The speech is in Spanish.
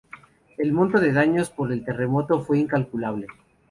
El monto de daños por el terremoto fue incalculable.